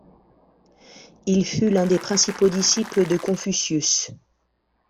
Il fut l'un des principaux disciples de Confucius.